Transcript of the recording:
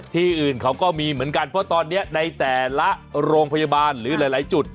ที่อื่นเขาก็มีเหมือนกันเพราะตอนนี้ในแต่ละโรงพยาบาลหรือหลายจุด